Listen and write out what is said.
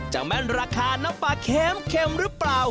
แม่นราคาน้ำปลาเค็มหรือเปล่า